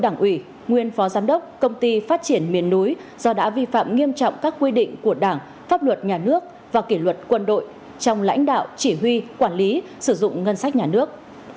đảng ủy nguyên phó giám đốc công ty phát triển miền núi do đã vi phạm nghiêm trọng các quy định của đảng pháp luật nhà nước và kỷ luật quân đội trong lãnh đạo chỉ huy quản lý sử dụng ngân sách nhà nước